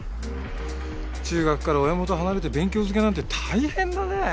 中学から親元を離れて勉強漬けなんて大変だね。